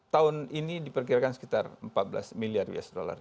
tahun ini diperkirakan sekitar empat belas miliar us dollar